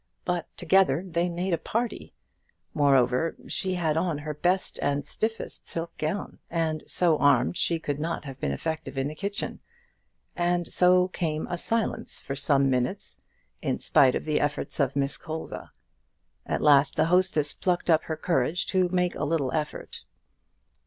But together they made a party. Moreover she had on her best and stiffest silk gown, and so armed she could not have been effective in the kitchen. And so came a silence for some minutes, in spite of the efforts of Miss Colza. At last the hostess plucked up her courage to make a little effort.